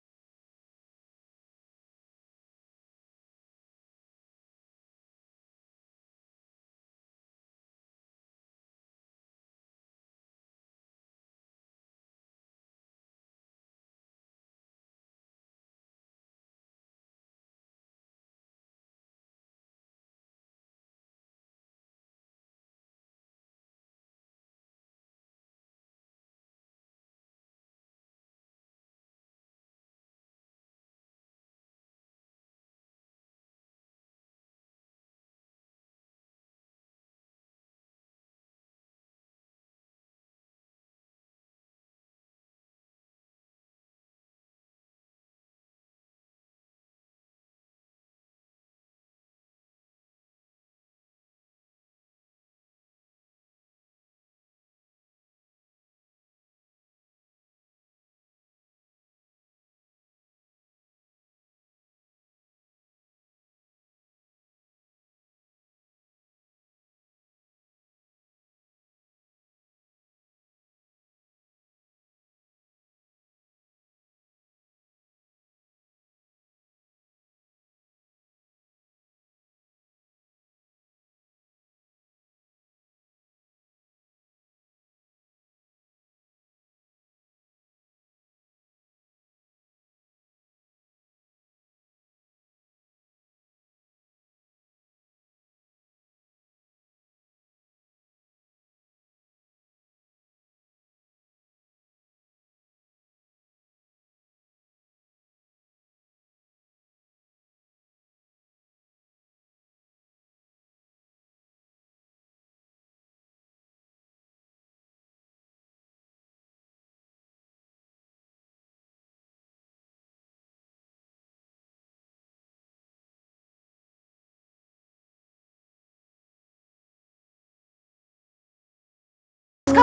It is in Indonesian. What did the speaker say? kan kiki bisa panjat pikiran mereka berdua